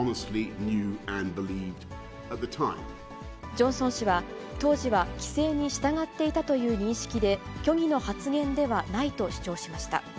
ジョンソン氏は、当時は規制に従っていたという認識で、虚偽の発言ではないと主張しました。